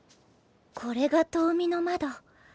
これが遠見の窓。